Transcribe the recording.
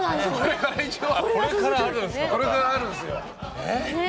これからあるんですよ。